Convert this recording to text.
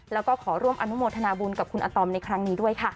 แล้วก็ขอร่วมอนุโมทนาบุญกับคุณอาตอมในครั้งนี้ด้วยค่ะ